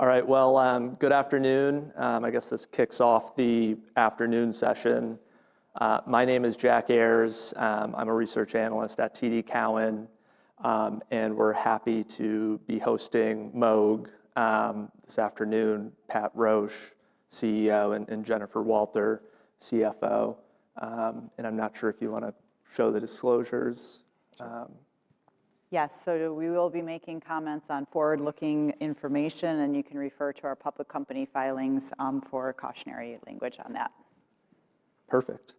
All right, well, good afternoon. I guess this kicks off the afternoon session. My name is Jack Ayers. I'm a research analyst at TD Cowen, and we're happy to be hosting Moog this afternoon. Pat Roche, CEO, and Jennifer Walter, CFO. I'm not sure if you want to show the disclosures. Yes, so we will be making comments on forward-looking information, and you can refer to our public company filings, for cautionary language on that. Perfect.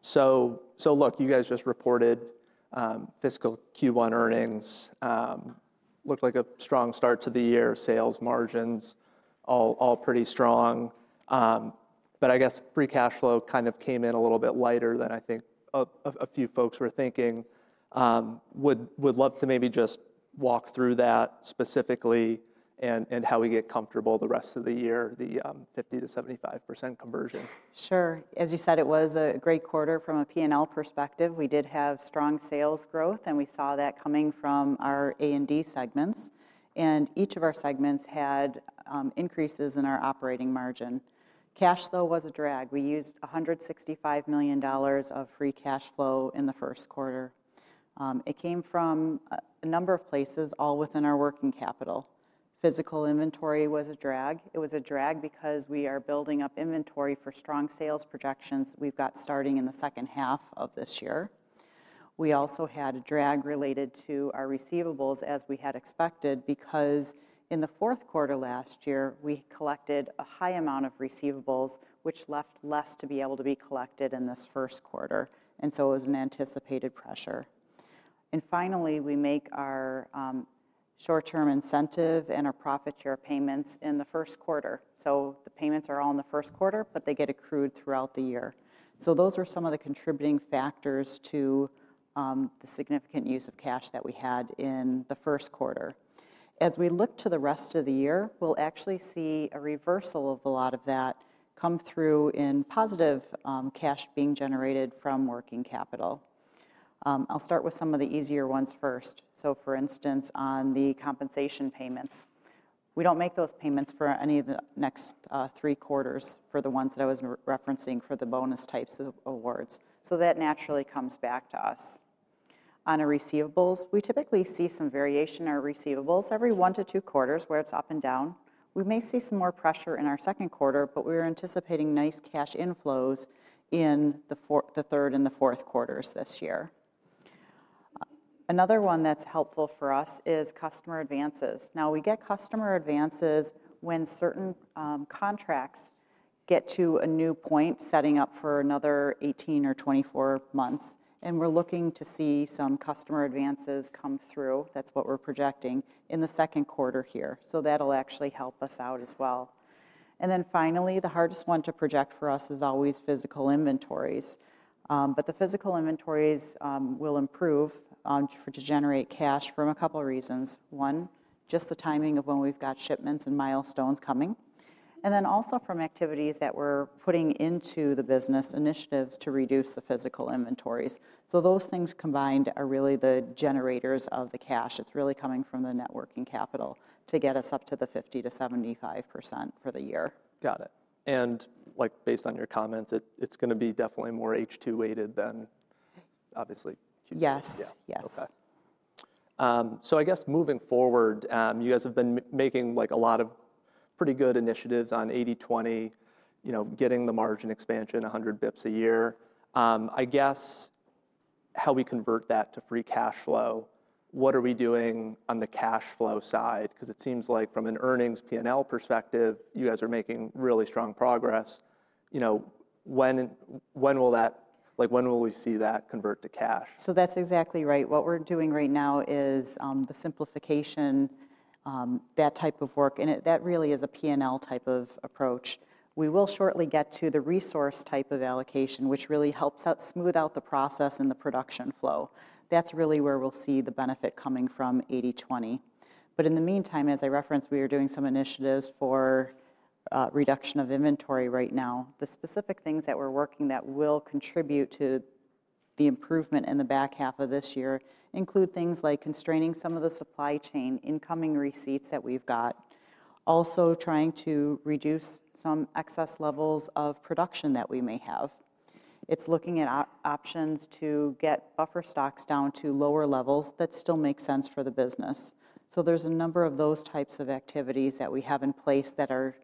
So look, you guys just reported fiscal Q1 earnings, looked like a strong start to the year, sales margins, all pretty strong. But I guess free cash flow kind of came in a little bit lighter than I think a few folks were thinking. Would love to maybe just walk through that specifically and how we get comfortable the rest of the year, the 50%-75% conversion. Sure. As you said, it was a great quarter from a P&L perspective. We did have strong sales growth, and we saw that coming from our A&D segments. And each of our segments had increases in our operating margin. Cash flow was a drag. We used $165 million of free cash flow in the first quarter. It came from a number of places, all within our working capital. Physical inventory was a drag. It was a drag because we are building up inventory for strong sales projections we've got starting in the second half of this year. We also had a drag related to our receivables, as we had expected, because in the fourth quarter last year, we collected a high amount of receivables, which left less to be able to be collected in this first quarter. And so it was an anticipated pressure. Finally, we make our short-term incentive and our profit share payments in the first quarter. So the payments are all in the first quarter, but they get accrued throughout the year. So those were some of the contributing factors to the significant use of cash that we had in the first quarter. As we look to the rest of the year, we'll actually see a reversal of a lot of that come through in positive cash being generated from working capital. I'll start with some of the easier ones first. So for instance, on the compensation payments, we don't make those payments for any of the next three quarters for the ones that I was referencing for the bonus types of awards. So that naturally comes back to us. On our receivables, we typically see some variation in our receivables every one to two quarters where it's up and down. We may see some more pressure in our second quarter, but we are anticipating nice cash inflows in the fourth, the third, and the fourth quarters this year. Another one that's helpful for us is customer advances. Now, we get customer advances when certain contracts get to a new point setting up for another 18 or 24 months. And we're looking to see some customer advances come through. That's what we're projecting in the second quarter here. So that'll actually help us out as well. And then finally, the hardest one to project for us is always physical inventories. But the physical inventories will improve to generate cash from a couple of reasons. One, just the timing of when we've got shipments and milestones coming. And then also from activities that we're putting into the business initiatives to reduce the physical inventories. So those things combined are really the generators of the cash. It's really coming from the net working capital to get us up to the 50%-75% for the year. Got it. And like based on your comments, it's going to be definitely more H2 weighted than obviously Q2. Yes. Yes. Okay. So I guess moving forward, you guys have been making like a lot of pretty good initiatives on 80/20, you know, getting the margin expansion 100 basis points a year. I guess how we convert that to free cash flow, what are we doing on the cash flow side? Because it seems like from an earnings P&L perspective, you guys are making really strong progress. You know, when will that, like when will we see that convert to cash? So that's exactly right. What we're doing right now is the simplification, that type of work. And that really is a P&L type of approach. We will shortly get to the resource type of allocation, which really helps out, smooth out the process and the production flow. That's really where we'll see the benefit coming from 80/20. But in the meantime, as I referenced, we are doing some initiatives for reduction of inventory right now. The specific things that we're working that will contribute to the improvement in the back half of this year include things like constraining some of the supply chain, incoming receipts that we've got, also trying to reduce some excess levels of production that we may have. It's looking at options to get buffer stocks down to lower levels that still make sense for the business. So there's a number of those types of activities that we have in place that are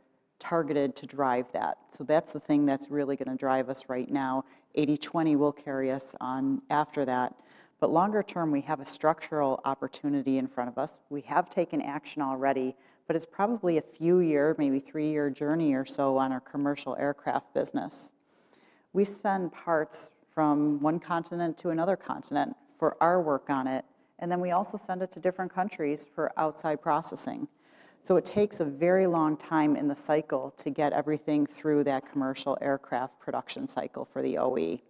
targeted to drive that. So that's the thing that's really going to drive us right now. 80/20 will carry us on after that. But longer term, we have a structural opportunity in front of us. We have taken action already, but it's probably a few year, maybe three-year journey or so on our Commercial Aircraft business. We send parts from one continent to another continent for our work on it, and then we also send it to different countries for outside processing. So it takes a very long time in the cycle to get everything through that Commercial Aircraft production cycle for the OE.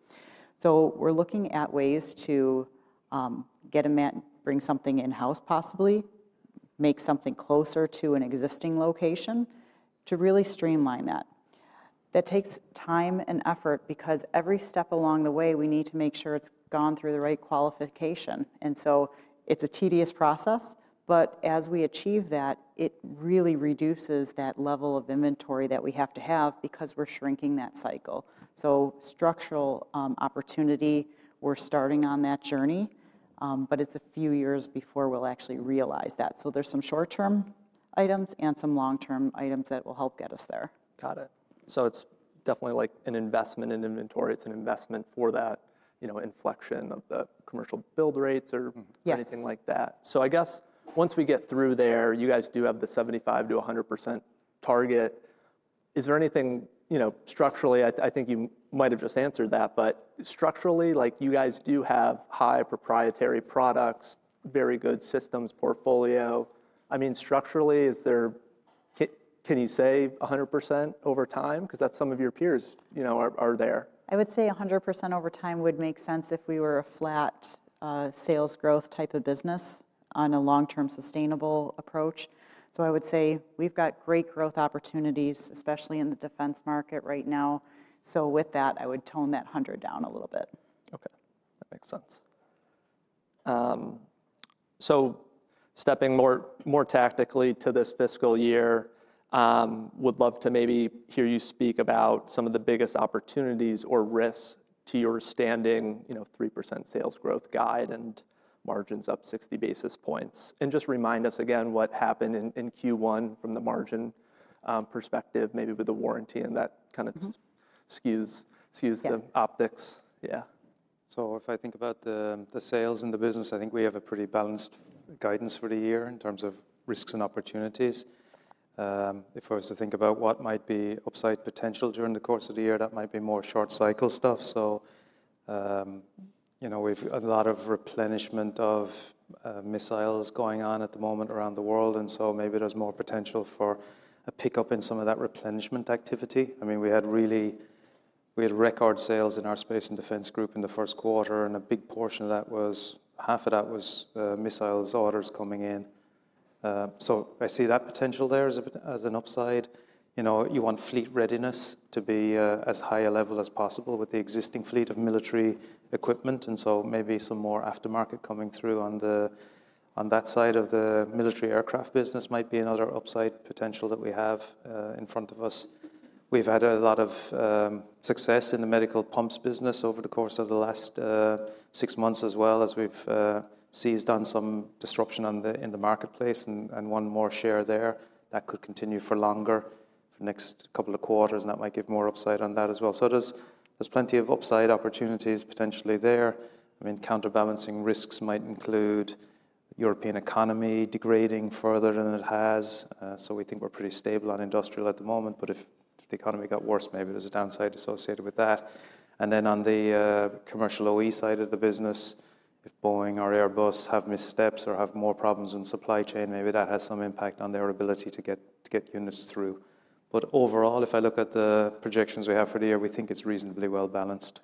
So we're looking at ways to get them and bring something in-house, possibly make something closer to an existing location to really streamline that. That takes time and effort because every step along the way, we need to make sure it's gone through the right qualification. And so it's a tedious process, but as we achieve that, it really reduces that level of inventory that we have to have because we're shrinking that cycle. So structural, opportunity, we're starting on that journey, but it's a few years before we'll actually realize that. So there's some short-term items and some long-term items that will help get us there. Got it. So it's definitely like an investment in inventory. It's an investment for that, you know, inflection of the commercial build rates or anything like that. So I guess once we get through there, you guys do have the 75%-100% target. Is there anything, you know, structurally? I think you might have just answered that, but structurally, like you guys do have high proprietary products, very good systems portfolio. I mean, structurally, is there, can you say 100% over time? Because that's some of your peers, you know, are there? I would say 100% over time would make sense if we were a flat, sales growth type of business on a long-term sustainable approach. So I would say we've got great growth opportunities, especially in the defense market right now. So with that, I would tone that 100% down a little bit. Okay. That makes sense. So stepping more tactically to this fiscal year, would love to maybe hear you speak about some of the biggest opportunities or risks to your standing, you know, 3% sales growth guide and margins up 60 basis points, and just remind us again what happened in Q1 from the margin perspective, maybe with the warranty and that kind of skews the optics. Yeah. So if I think about the sales and the business, I think we have a pretty balanced guidance for the year in terms of risks and opportunities. If I was to think about what might be upside potential during the course of the year, that might be more short cycle stuff. So, you know, we've a lot of replenishment of missiles going on at the moment around the world. And so maybe there's more potential for a pickup in some of that replenishment activity. I mean, we really had record sales in our Space and Defense group in the first quarter, and a big portion of that was half of that was missiles orders coming in. So I see that potential there as an upside. You know, you want fleet readiness to be as high a level as possible with the existing fleet of military equipment. And so maybe some more aftermarket coming through on that side of the Military Aircraft business might be another upside potential that we have in front of us. We've had a lot of success in the medical pumps business over the course of the last six months as well as we've seized on some disruption in the marketplace and won more share there that could continue for longer for the next couple of quarters. And that might give more upside on that as well. So there's plenty of upside opportunities potentially there. I mean, counterbalancing risks might include European economy degrading further than it has. So we think we're pretty stable on Industrial at the moment, but if the economy got worse, maybe there's a downside associated with that. Then on the Commercial OE side of the business, if Boeing or Airbus have missteps or have more problems in supply chain, maybe that has some impact on their ability to get units through. Overall, if I look at the projections we have for the year, we think it's reasonably well balanced.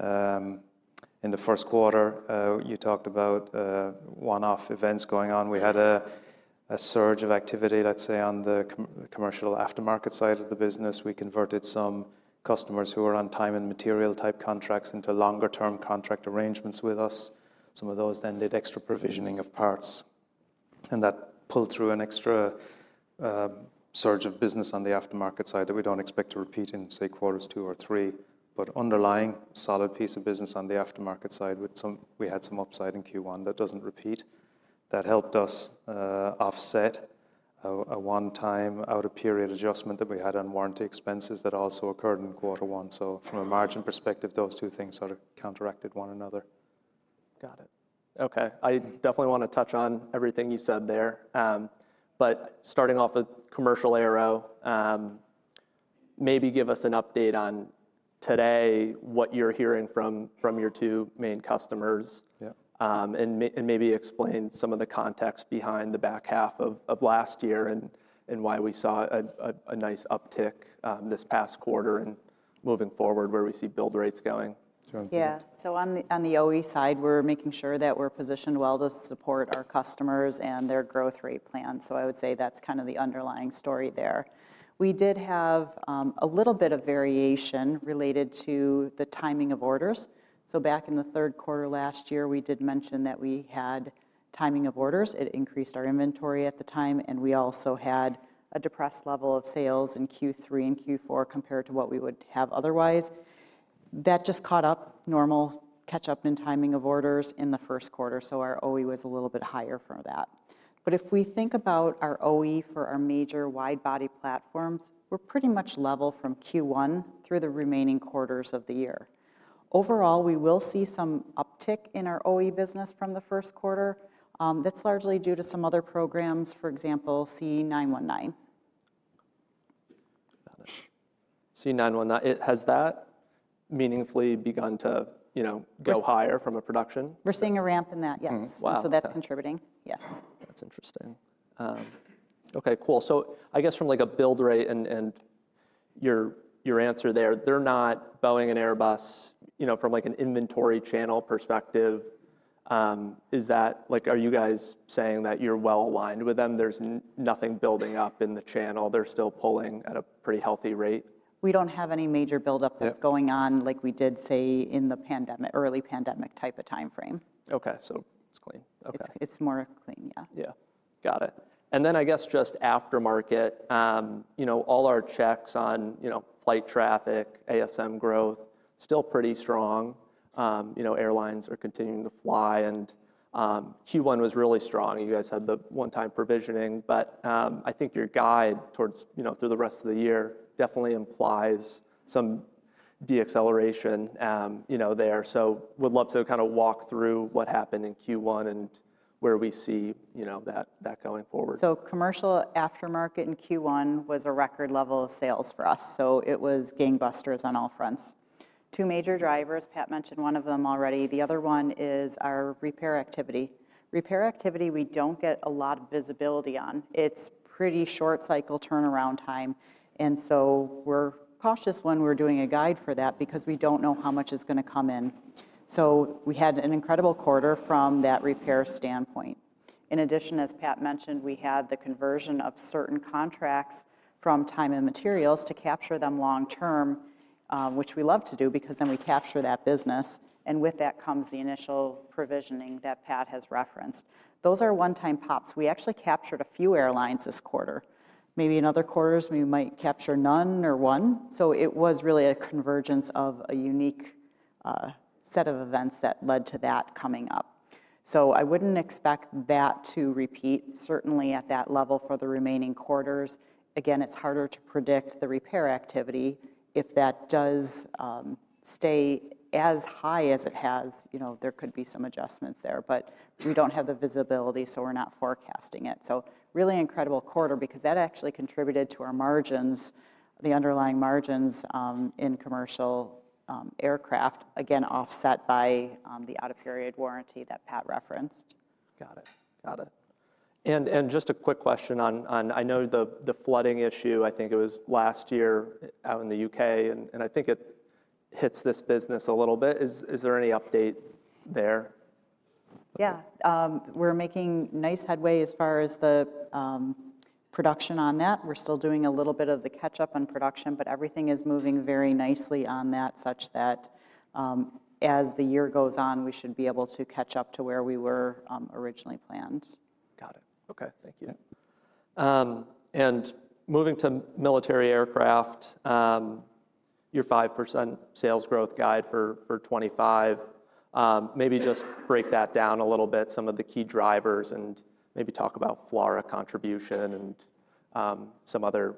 In the first quarter, you talked about one-off events going on. We had a surge of activity, let's say, on the Commercial aftermarket side of the business. We converted some customers who were on time and material type contracts into longer-term contract arrangements with us. Some of those then did extra provisioning of parts. And that pulled through an extra surge of business on the aftermarket side that we don't expect to repeat in, say, quarters two or three, but underlying solid piece of business on the aftermarket side with some, we had some upside in Q1 that doesn't repeat. That helped us offset a one-time out-of-period adjustment that we had on warranty expenses that also occurred in quarter one. So from a margin perspective, those two things sort of counteracted one another. Got it. Okay. I definitely want to touch on everything you said there, but starting off with Commercial Aero, maybe give us an update on today, what you're hearing from your two main customers. Yeah. And maybe explain some of the context behind the back half of last year and why we saw a nice uptick this past quarter and moving forward where we see build rates going. Yeah. So on the OE side, we're making sure that we're positioned well to support our customers and their growth rate plan. So I would say that's kind of the underlying story there. We did have a little bit of variation related to the timing of orders. So back in the third quarter last year, we did mention that we had timing of orders. It increased our inventory at the time, and we also had a depressed level of sales in Q3 and Q4 compared to what we would have otherwise. That just caught up normal catch-up in timing of orders in the first quarter. So our OE was a little bit higher for that. But if we think about our OE for our major wide-body platforms, we're pretty much level from Q1 through the remaining quarters of the year. Overall, we will see some uptick in our OE business from the first quarter. That's largely due to some other programs, for example, C919. Got it. C919. Has it meaningfully begun to, you know, go higher in production? We're seeing a ramp in that, yes. Wow. And so that's contributing, yes. That's interesting. Okay, cool, so I guess from like a build rate and your answer there, they're not Boeing and Airbus, you know, from like an inventory channel perspective. Is that like, are you guys saying that you're well aligned with them? There's nothing building up in the channel. They're still pulling at a pretty healthy rate. We don't have any major buildup that's going on like we did say in the pandemic, early pandemic type of timeframe. Okay. So it's clean. Okay. It's more clean. Yeah. Yeah. Got it. And then I guess just aftermarket, you know, all our checks on, you know, flight traffic, ASM growth, still pretty strong. You know, airlines are continuing to fly and Q1 was really strong. You guys had the one-time provisioning, but I think your guide towards, you know, through the rest of the year definitely implies some deceleration, you know, there. So would love to kind of walk through what happened in Q1 and where we see, you know, that going forward. Commercial aftermarket in Q1 was a record level of sales for us. It was gangbusters on all fronts. Two major drivers, Pat mentioned one of them already. The other one is our repair activity. Repair activity, we don't get a lot of visibility on. It's pretty short cycle turnaround time, so we're cautious when we're doing a guide for that because we don't know how much is going to come in, so we had an incredible quarter from that repair standpoint. In addition, as Pat mentioned, we had the conversion of certain contracts from time and materials to capture them long term, which we love to do because then we capture that business, and with that comes the initial provisioning that Pat has referenced. Those are one-time pops. We actually captured a few airlines this quarter. Maybe in other quarters, we might capture none or one. So it was really a convergence of a unique set of events that led to that coming up. So I wouldn't expect that to repeat, certainly at that level for the remaining quarters. Again, it's harder to predict the repair activity. If that does stay as high as it has, you know, there could be some adjustments there, but we don't have the visibility, so we're not forecasting it. So really incredible quarter because that actually contributed to our margins, the underlying margins, in Commercial Aircraft, again, offset by the out-of-period warranty that Pat referenced. Got it. And just a quick question on. I know the flooding issue. I think it was last year out in the U.K., and I think it hits this business a little bit. Is there any update there? Yeah, we're making nice headway as far as the production on that. We're still doing a little bit of the catch-up on production, but everything is moving very nicely on that such that as the year goes on, we should be able to catch up to where we were originally planned. Got it. Okay. Thank you. And moving to Military Aircraft, your 5% sales growth guide for 2025, maybe just break that down a little bit, some of the key drivers and maybe talk about FLRAA contribution and some other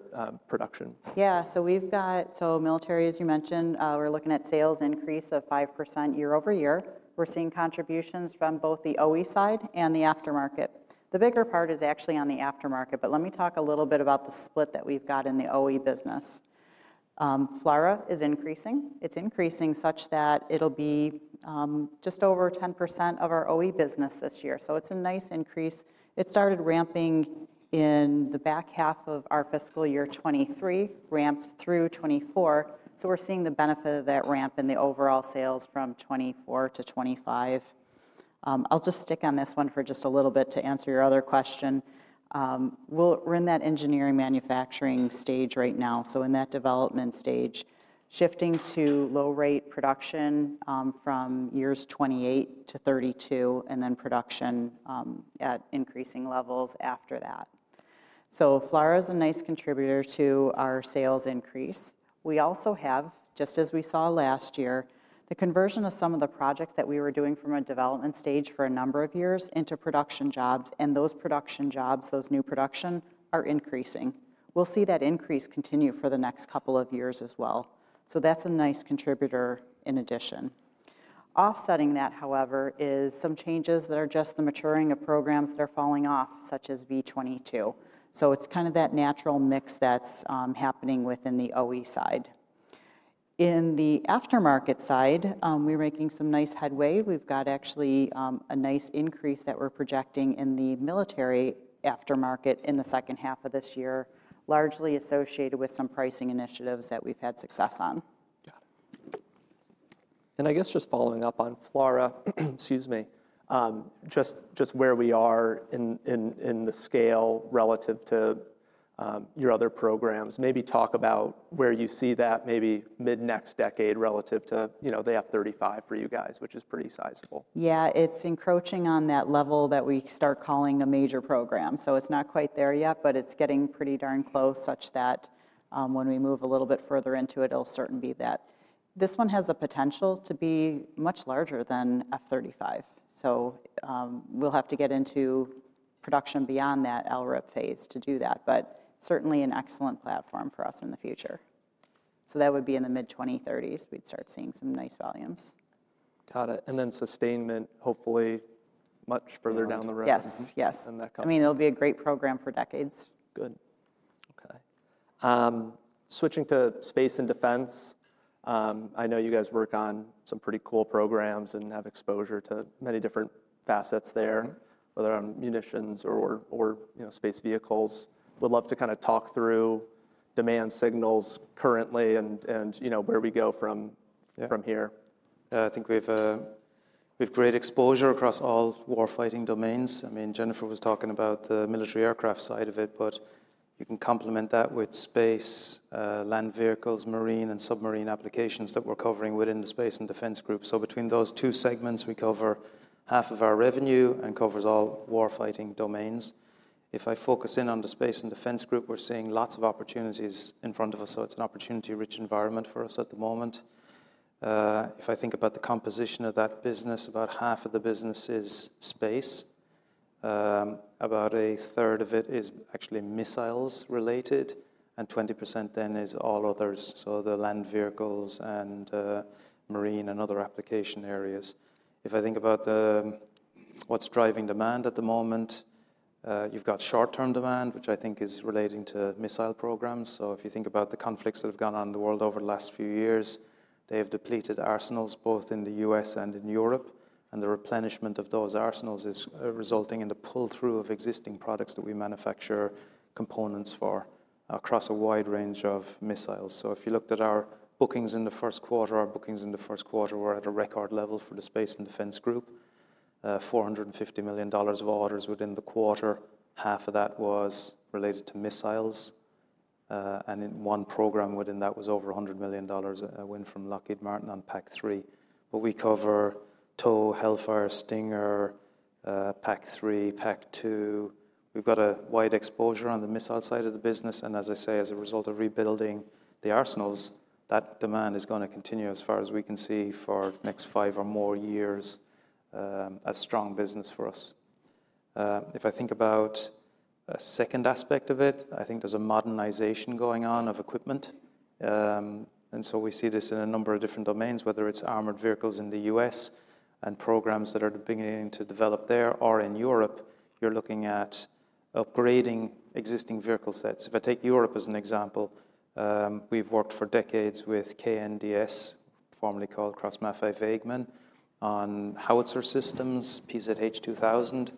production. Yeah. So we've got, so Military, as you mentioned, we're looking at sales increase of 5% year-over-year. We're seeing contributions from both the OE side and the aftermarket. The bigger part is actually on the aftermarket, but let me talk a little bit about the split that we've got in the OE business. FLRAA is increasing. It's increasing such that it'll be just over 10% of our OE business this year. So it's a nice increase. It started ramping in the back half of our fiscal year 2023, ramped through 2024. So we're seeing the benefit of that ramp in the overall sales from 2024 to 2025. I'll just stick on this one for just a little bit to answer your other question. We'll run that engineering manufacturing stage right now. So in that development stage, shifting to low-rate production, from years 2028 to 2032, and then production at increasing levels after that. So FLRAA is a nice contributor to our sales increase. We also have, just as we saw last year, the conversion of some of the projects that we were doing from a development stage for a number of years into production jobs. And those production jobs, those new production are increasing. We'll see that increase continue for the next couple of years as well. So that's a nice contributor in addition. Offsetting that, however, is some changes that are just the maturing of programs that are falling off, such as V-22. So it's kind of that natural mix that's happening within the OE side. In the aftermarket side, we're making some nice headway. We've got actually a nice increase that we're projecting in the Military aftermarket in the second half of this year, largely associated with some pricing initiatives that we've had success on. Got it. And I guess just following up on FLRAA, excuse me, just where we are in the scale relative to your other programs, maybe talk about where you see that maybe mid-next decade relative to, you know, the F-35 for you guys, which is pretty sizable. Yeah, it's encroaching on that level that we start calling a major program. So it's not quite there yet, but it's getting pretty darn close such that, when we move a little bit further into it, it'll certainly be that. This one has a potential to be much larger than F-35. So, we'll have to get into production beyond that LRIP phase to do that, but certainly an excellent platform for us in the future. So that would be in the mid-2030s. We'd start seeing some nice volumes. Got it, and then sustainment, hopefully much further down the road. Yes. Yes. Then that comes. I mean, it'll be a great program for decades. Good. Okay. Switching to Space and Defense, I know you guys work on some pretty cool programs and have exposure to many different facets there, whether on munitions or, you know, space vehicles. Would love to kind of talk through demand signals currently and, you know, where we go from here. Yeah. I think we've great exposure across all warfighting domains. I mean, Jennifer was talking about the Military Aircraft side of it, but you can complement that with space, land vehicles, marine, and submarine applications that we're covering within the Space and Defense group. So between those two segments, we cover half of our revenue and covers all warfighting domains. If I focus in on the Space and Defense group, we're seeing lots of opportunities in front of us. So it's an opportunity-rich environment for us at the moment. If I think about the composition of that business, about 1/2 of the business is space. About 1/3 of it is actually missiles related, and 20% then is all others. So the land vehicles and, marine and other application areas. If I think about what's driving demand at the moment, you've got short-term demand, which I think is relating to missile programs. So if you think about the conflicts that have gone on in the world over the last few years, they have depleted arsenals both in the U.S. and in Europe. And the replenishment of those arsenals is resulting in the pull-through of existing products that we manufacture components for across a wide range of missiles. So if you looked at our bookings in the first quarter, our bookings in the first quarter were at a record level for the Space and Defense group, $450 million of orders within the quarter. Half of that was related to missiles, and in one program within that was over $100 million, a win from Lockheed Martin on PAC-3. But we cover TOW, Hellfire, Stinger, PAC-3, PAC-2. We've got a wide exposure on the missile side of the business. And as I say, as a result of rebuilding the arsenals, that demand is going to continue as far as we can see for the next five or more years, as strong business for us. If I think about a second aspect of it, I think there's a modernization going on of equipment, and so we see this in a number of different domains, whether it's armored vehicles in the U.S. and programs that are beginning to develop there or in Europe, you're looking at upgrading existing vehicle sets. If I take Europe as an example, we've worked for decades with KNDS, formerly called Krauss-Maffei Wegmann, on howitzer systems, PzH 2000.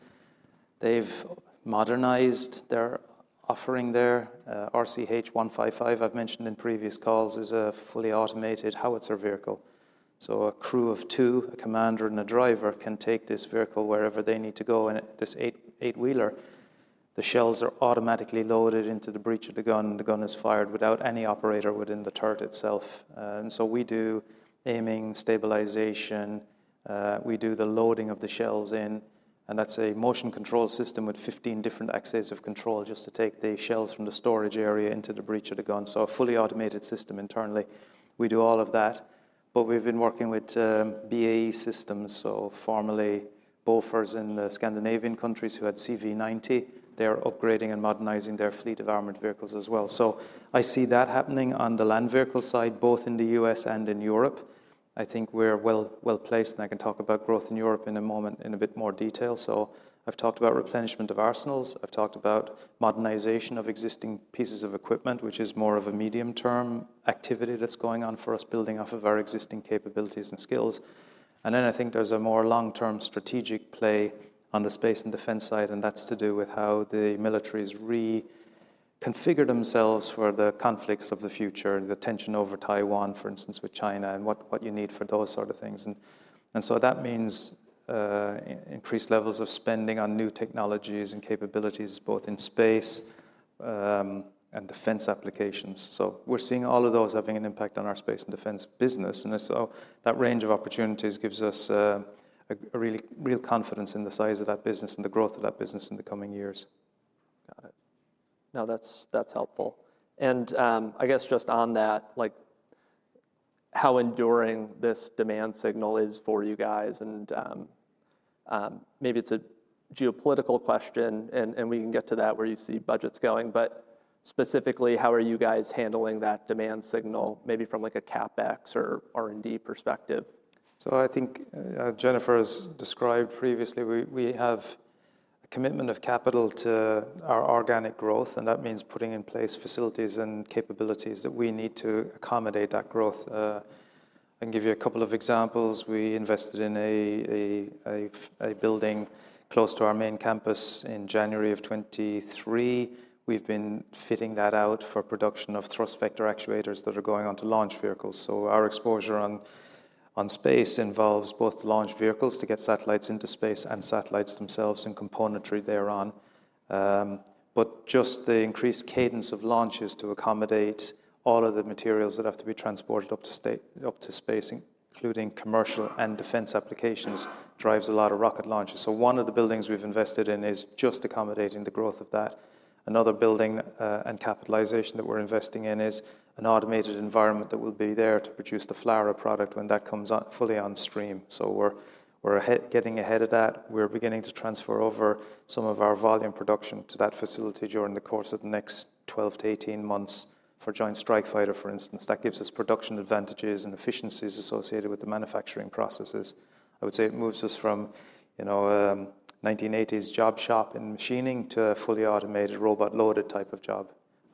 They've modernized their offering there. RCH 155, I've mentioned in previous calls, is a fully automated howitzer vehicle. So a crew of two, a commander and a driver, can take this vehicle wherever they need to go, and this eight, eight-wheeler, the shells are automatically loaded into the breech of the gun, and the gun is fired without any operator within the turret itself, and so we do aiming, stabilization, we do the loading of the shells in, and that's a motion control system with 15 different axes of control just to take the shells from the storage area into the breech of the gun, so a fully automated system internally, we do all of that, but we've been working with BAE Systems, so formerly Bofors in the Scandinavian countries who had CV90, they're upgrading and modernizing their fleet of armored vehicles as well, so I see that happening on the land vehicle side, both in the U.S. and in Europe. I think we're well, well placed, and I can talk about growth in Europe in a moment in a bit more detail. So I've talked about replenishment of arsenals. I've talked about modernization of existing pieces of equipment, which is more of a medium-term activity that's going on for us, building off of our existing capabilities and skills. And then I think there's a more long-term strategic play on the Space and Defense side, and that's to do with how the militaries reconfigure themselves for the conflicts of the future and the tension over Taiwan, for instance, with China and what, what you need for those sort of things. And, and so that means, increased levels of spending on new technologies and capabilities, both in space, and defense applications. So we're seeing all of those having an impact on our Space and Defense business. That range of opportunities gives us a real, real confidence in the size of that business and the growth of that business in the coming years. Got it. No, that's helpful. I guess just on that, like how enduring this demand signal is for you guys. Maybe it's a geopolitical question, and we can get to that where you see budgets going, but specifically, how are you guys handling that demand signal, maybe from like a CapEx or R&D perspective? So I think Jennifer has described previously. We have a commitment of capital to our organic growth, and that means putting in place facilities and capabilities that we need to accommodate that growth. I can give you a couple of examples. We invested in a building close to our main campus in January of 2023. We've been fitting that out for production of thrust vector actuators that are going on to launch vehicles. So our exposure on space involves both launch vehicles to get satellites into space and satellites themselves and componentry thereon. But just the increased cadence of launches to accommodate all of the materials that have to be transported up to space, including commercial and defense applications, drives a lot of rocket launches. So one of the buildings we've invested in is just accommodating the growth of that. Another building, and capitalization that we're investing in is an automated environment that will be there to produce the FLRAA product when that comes up fully on stream. So we're getting ahead of that. We're beginning to transfer over some of our volume production to that facility during the course of the next 12-18 months for Joint Strike Fighter, for instance. That gives us production advantages and efficiencies associated with the manufacturing processes. I would say it moves us from, you know, 1980s job shop in machining to a fully automated robot-loaded type of job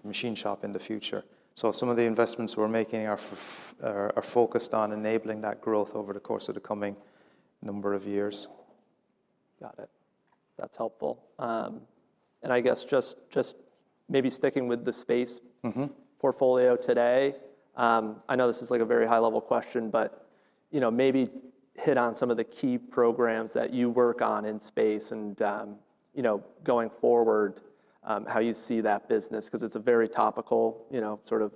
machine shop in the future. So some of the investments we're making are focused on enabling that growth over the course of the coming number of years. Got it. That's helpful, and I guess just maybe sticking with the space portfolio today, I know this is like a very high-level question, but you know, maybe hit on some of the key programs that you work on in space and, you know, going forward, how you see that business, because it's a very topical, you know, sort of,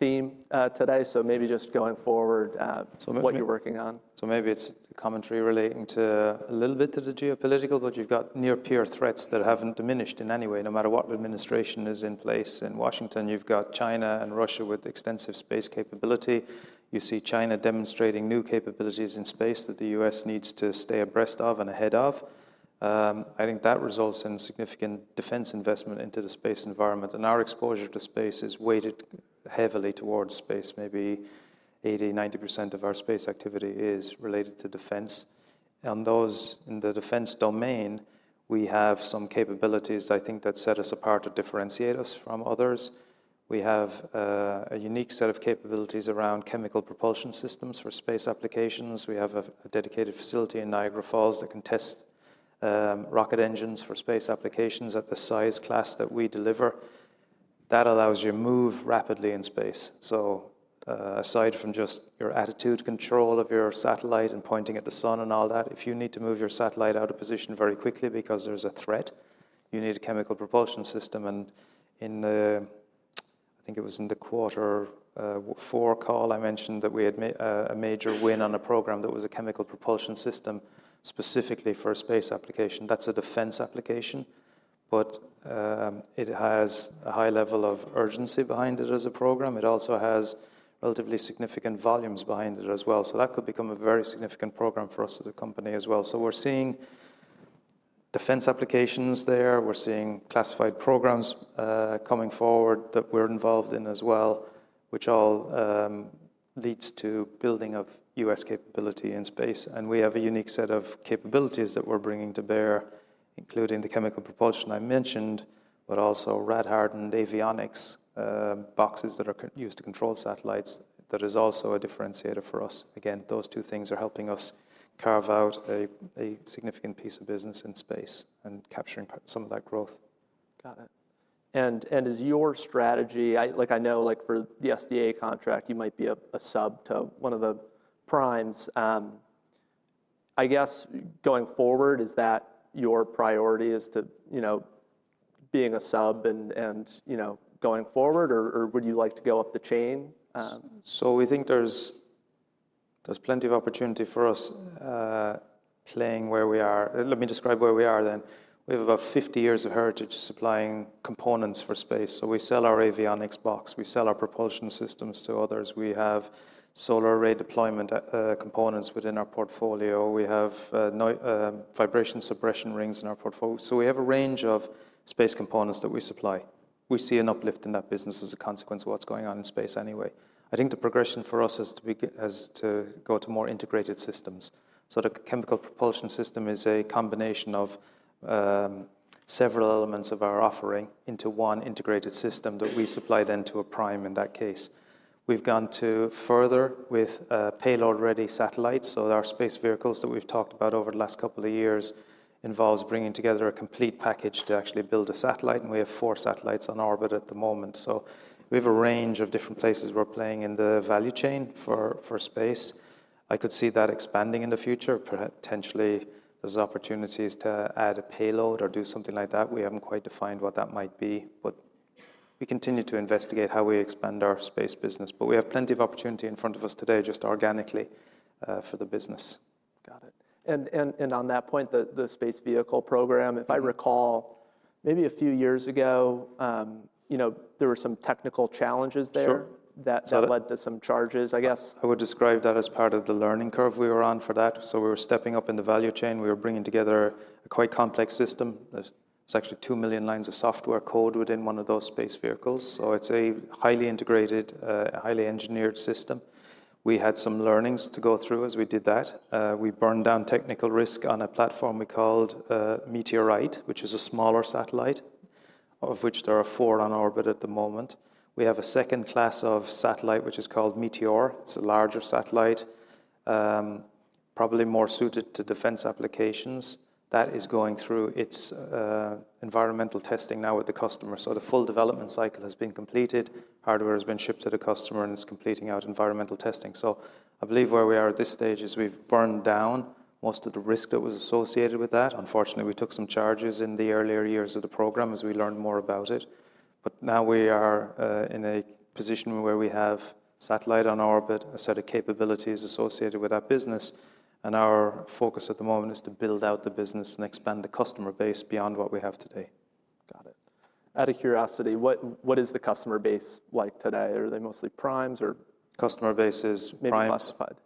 theme, today. So maybe just going forward, what you're working on. So maybe it's commentary relating to a little bit to the geopolitical, but you've got near-peer threats that haven't diminished in any way, no matter what administration is in place. In Washington, you've got China and Russia with extensive space capability. You see China demonstrating new capabilities in space that the U.S. needs to stay abreast of and ahead of. I think that results in significant defense investment into the space environment. And our exposure to space is weighted heavily towards space. Maybe 80%-90% of our space activity is related to defense. On those in the defense domain, we have some capabilities that I think that set us apart to differentiate us from others. We have a unique set of capabilities around chemical propulsion systems for space applications. We have a dedicated facility in Niagara Falls that can test rocket engines for space applications at the size class that we deliver. That allows you to move rapidly in space. So, aside from just your attitude control of your satellite and pointing at the sun and all that, if you need to move your satellite out of position very quickly because there's a threat, you need a chemical propulsion system. And in the, I think it was in the quarter four call, I mentioned that we had a major win on a program that was a chemical propulsion system specifically for a space application. That's a defense application, but it has a high level of urgency behind it as a program. It also has relatively significant volumes behind it as well. So that could become a very significant program for us as a company as well. So we're seeing defense applications there. We're seeing classified programs coming forward that we're involved in as well, which all leads to building of U.S. capability in space. And we have a unique set of capabilities that we're bringing to bear, including the chemical propulsion I mentioned, but also radiation-hardened avionics boxes that are used to control satellites. That is also a differentiator for us. Again, those two things are helping us carve out a significant piece of business in space and capturing some of that growth. Got it. And is your strategy? I like, I know like for the SDA contract, you might be a sub to one of the primes. I guess going forward, is that your priority to, you know, being a sub and you know, going forward, or would you like to go up the chain? So we think there's plenty of opportunity for us, playing where we are. Let me describe where we are then. We have about 50 years of heritage supplying components for space. So we sell our avionics box. We sell our propulsion systems to others. We have solar array deployment components within our portfolio. We have our vibration suppression rings in our portfolio. So we have a range of space components that we supply. We see an uplift in that business as a consequence of what's going on in space anyway. I think the progression for us is to go to more integrated systems. So the chemical propulsion system is a combination of several elements of our offering into one integrated system that we supply then to a prime in that case. We've gone further with payload-ready satellites. Our space vehicles that we've talked about over the last couple of years involves bringing together a complete package to actually build a satellite. We have four satellites on orbit at the moment. We have a range of different places we're playing in the value chain for space. I could see that expanding in the future. Potentially there's opportunities to add a payload or do something like that. We haven't quite defined what that might be, but we continue to investigate how we expand our space business. We have plenty of opportunity in front of us today, just organically, for the business. Got it. And on that point, the space vehicle program, if I recall, maybe a few years ago, you know, there were some technical challenges there that led to some charges, I guess. I would describe that as part of the learning curve we were on for that. So we were stepping up in the value chain. We were bringing together a quite complex system. It's actually 2 million lines of software code within one of those space vehicles. So it's a highly integrated, highly engineered system. We had some learnings to go through as we did that. We burned down technical risk on a platform we called METEORITE, which is a smaller satellite, of which there are four on orbit at the moment. We have a second class of satellite, which is called METEOR. It's a larger satellite, probably more suited to defense applications. That is going through its environmental testing now with the customer. So the full development cycle has been completed. Hardware has been shipped to the customer and is completing out environmental testing. I believe where we are at this stage is we've burned down most of the risk that was associated with that. Unfortunately, we took some charges in the earlier years of the program as we learned more about it. Now we are in a position where we have satellite on orbit, a set of capabilities associated with that business. Our focus at the moment is to build out the business and expand the customer base beyond what we have today. Got it. Out of curiosity, what is the customer base like today? Are they mostly primes or customer base is maybe classified?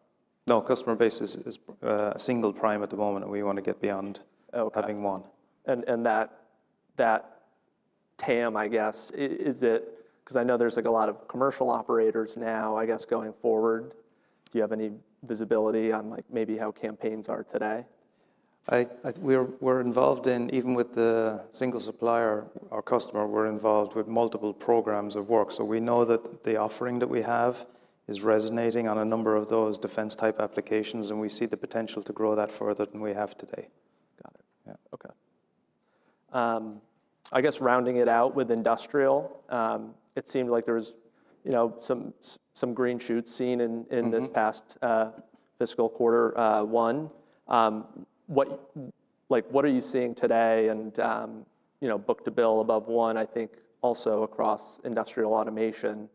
No, customer base is a single prime at the moment, and we want to get beyond having one. That TAM, I guess, is it because I know there's like a lot of commercial operators now, I guess going forward, do you have any visibility on like maybe how campaigns are today? We're involved in, even with the single supplier, our customer, we're involved with multiple programs of work. So we know that the offering that we have is resonating on a number of those defense type applications, and we see the potential to grow that further than we have today. Got it. Yeah. Okay. I guess rounding it out with Industrial, it seemed like there was, you know, some green shoots seen in this past fiscal quarter one. What, like, what are you seeing today? And, you know, book-to-bill above one, I think also across industrial automation.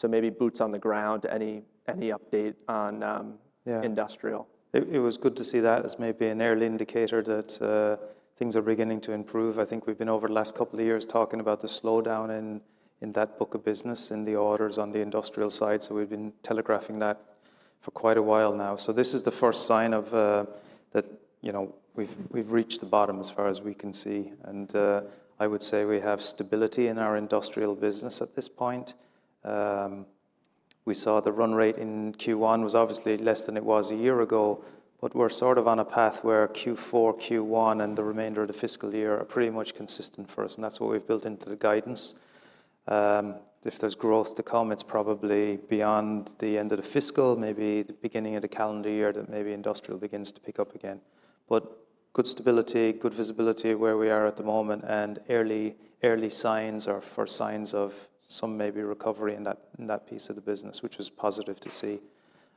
So maybe boots on the ground, any update on Industrial. It was good to see that as maybe an early indicator that things are beginning to improve. I think we've been over the last couple of years talking about the slowdown in that book of business in the orders on the Industrial side. So we've been telegraphing that for quite a while now. So this is the first sign of that, you know, we've reached the bottom as far as we can see, and I would say we have stability in our Industrial business at this point. We saw the run rate in Q1 was obviously less than it was a year ago, but we're sort of on a path where Q4, Q1, and the remainder of the fiscal year are pretty much consistent for us, and that's what we've built into the guidance. If there's growth to come, it's probably beyond the end of the fiscal, maybe the beginning of the calendar year that maybe Industrial begins to pick up again. But good stability, good visibility where we are at the moment, and early, early signs are for signs of some maybe recovery in that, in that piece of the business, which was positive to see.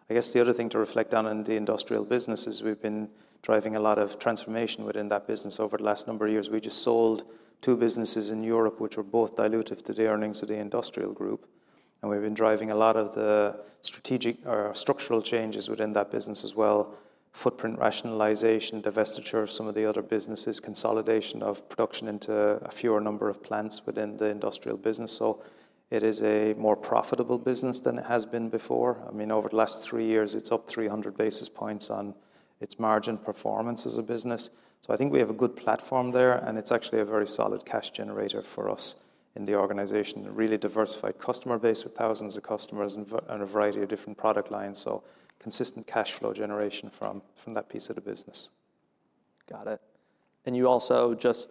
I guess the other thing to reflect on in the Industrial business is we've been driving a lot of transformation within that business over the last number of years. We just sold two businesses in Europe, which were both dilutive to the earnings of the Industrial group. And we've been driving a lot of the strategic or structural changes within that business as well. Footprint rationalization, divestiture of some of the other businesses, consolidation of production into a fewer number of plants within the Industrial business. So it is a more profitable business than it has been before. I mean, over the last three years, it's up 300 basis points on its margin performance as a business. So I think we have a good platform there, and it's actually a very solid cash generator for us in the organization, a really diversified customer base with thousands of customers and a variety of different product lines. So consistent cash flow generation from that piece of the business. Got it. And you also just,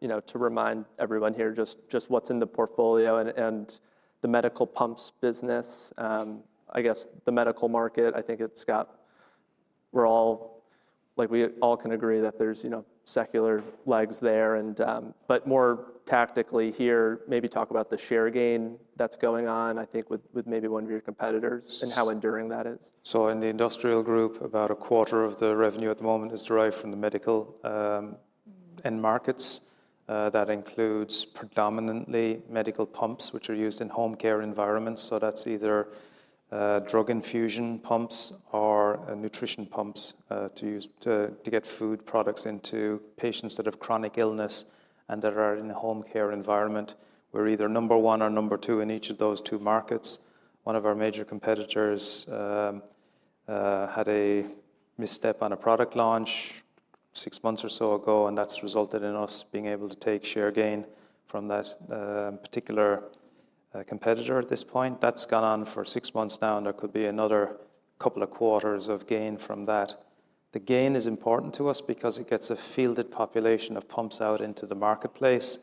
you know, to remind everyone here, just what's in the portfolio and the medical pumps business, I guess the medical market, I think it's got, we're all, like we all can agree that there's, you know, secular legs there and, but more tactically here, maybe talk about the share gain that's going on, I think with maybe one of your competitors and how enduring that is. So in the Industrial group, about a quarter of the revenue at the moment is derived from the medical and markets. That includes predominantly medical pumps, which are used in home care environments. So that's either drug infusion pumps or nutrition pumps to use to get food products into patients that have chronic illness and that are in a home care environment. We're either number one or number two in each of those two markets. One of our major competitors had a misstep on a product launch six months or so ago, and that's resulted in us being able to take share gain from that particular competitor at this point. That's gone on for six months now, and there could be another couple of quarters of gain from that. The gain is important to us because it gets a fielded population of pumps out into the marketplace.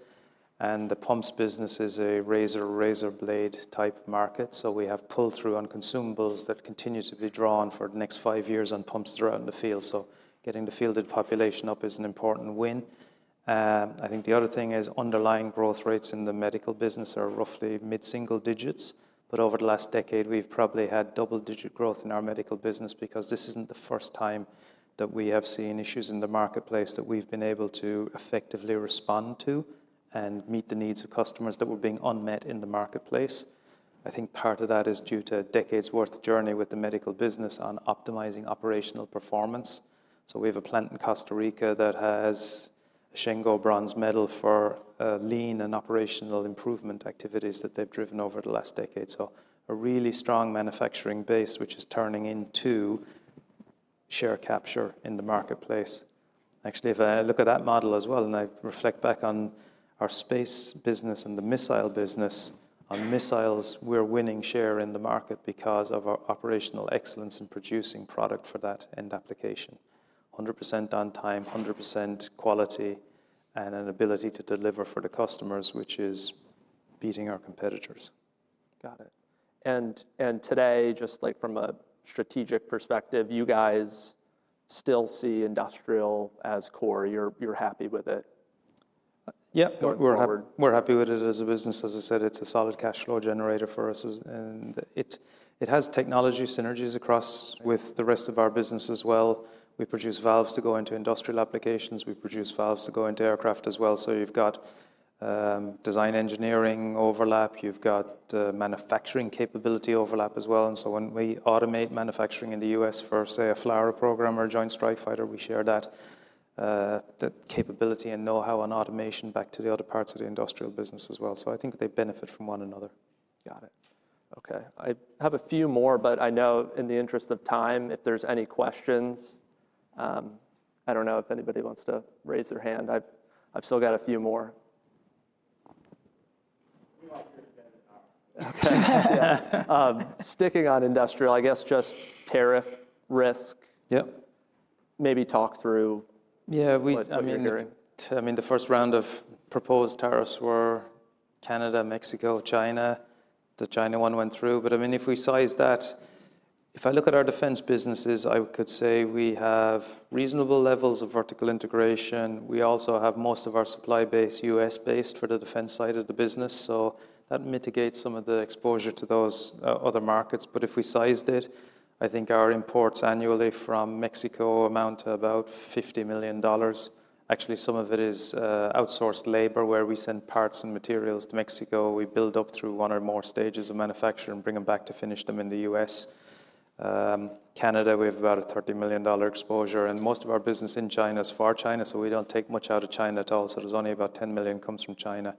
The pumps business is a razor, razor blade type market. We have pull-through on consumables that continue to be drawn for the next five years on pumps throughout the field. Getting the fielded population up is an important win. I think the other thing is underlying growth rates in the medical business are roughly mid-single digits, but over the last decade, we've probably had double-digit growth in our medical business because this isn't the first time that we have seen issues in the marketplace that we've been able to effectively respond to and meet the needs of customers that were being unmet in the marketplace. I think part of that is due to a decades' worth of journey with the medical business on optimizing operational performance. So we have a plant in Costa Rica that has a Shingo Bronze Medal for lean and operational improvement activities that they've driven over the last decade. So a really strong manufacturing base, which is turning into share capture in the marketplace. Actually, if I look at that model as well, and I reflect back on our space business and the missile business, on missiles, we're winning share in the market because of our operational excellence in producing product for that end application. 100% on time, 100% quality, and an ability to deliver for the customers, which is beating our competitors. Got it. Today, just like from a strategic perspective, you guys still see Industrial as core. You're happy with it? Yeah, we're happy. We're happy with it as a business. As I said, it's a solid cash flow generator for us. And it has technology synergies across with the rest of our business as well. We produce valves to go into industrial applications. We produce valves to go into aircraft as well. So you've got design engineering overlap. You've got the manufacturing capability overlap as well. And so when we automate manufacturing in the U.S. for, say, a FLRAA program or a Joint Strike Fighter, we share that capability and know-how on automation back to the other parts of the Industrial business as well. So I think they benefit from one another. Got it. Okay. I have a few more, but I know in the interest of time, if there's any questions, I don't know if anybody wants to raise their hand. I've still got a few more. Okay. Sticking on Industrial, I guess just tariff risk. Yep. Maybe talk through what you're enduring. Yeah, I mean, the first round of proposed tariffs were Canada, Mexico, China. The China one went through. But I mean, if we size that, if I look at our defense businesses, I could say we have reasonable levels of vertical integration. We also have most of our supply base U.S.-based for the defense side of the business. So that mitigates some of the exposure to those other markets. But if we sized it, I think our imports annually from Mexico amount to about $50 million. Actually, some of it is outsourced labor where we send parts and materials to Mexico. We build up through one or more stages of manufacture and bring them back to finish them in the U.S. Canada, we have about a $30 million exposure. And most of our business in China is for China. We don't take much out of China at all. There's only about $10 million that comes from China.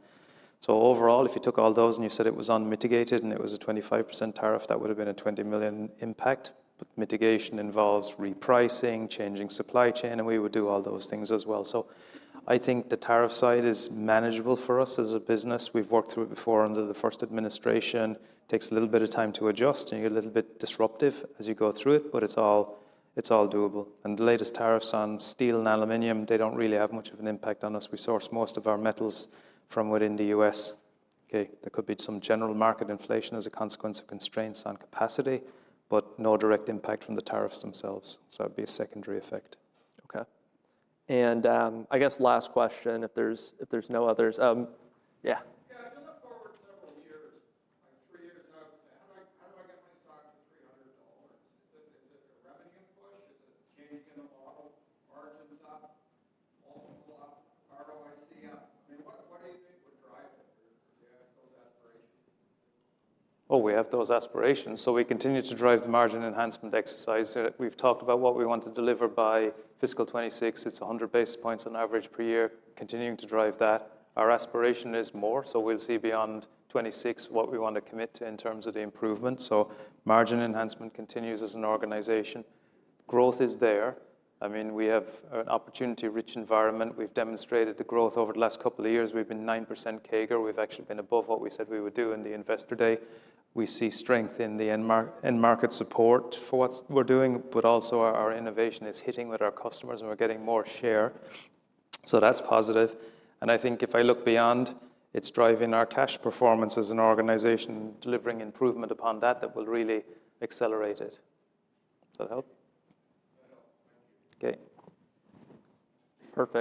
Overall, if you took all those and you said it was unmitigated and it was a 25% tariff, that would have been a $20 million impact. Mitigation involves repricing, changing supply chain, and we would do all those things as well. The tariff side is manageable for us as a business. We've worked through it before under the first administration. It takes a little bit of time to adjust and you're a little bit disruptive as you go through it, but it's all, it's all doable. The latest tariffs on steel and aluminum don't really have much of an impact on us. We source most of our metals from within the U.S. Okay. There could be some general market inflation as a consequence of constraints on capacity, but no direct impact from the tariffs themselves. So that would be a secondary effect. Okay. And, I guess last question, if there's no others, yeah. Yeah, if you look forward several years, like three years out, say, how do I get my stock to $300? Is it a revenue push? Is it changing the model margins up, multiple ROIC up? I mean, what do you think would drive it? Or do you have those aspirations? Oh, we have those aspirations. So we continue to drive the margin enhancement exercise. We've talked about what we want to deliver by fiscal 2026. It's 100 basis points on average per year, continuing to drive that. Our aspiration is more. So we'll see beyond 2026 what we want to commit to in terms of the improvement. So margin enhancement continues as an organization. Growth is there. I mean, we have an opportunity-rich environment. We've demonstrated the growth over the last couple of years. We've been 9% CAGR. We've actually been above what we said we would do in the investor day. We see strength in the end market support for what we're doing, but also our innovation is hitting with our customers and we're getting more share. So that's positive. And I think if I look beyond, it's driving our cash performance as an organization, delivering improvement upon that that will really accelerate it. Does that help? That helps. Thank you. Okay. Perfect.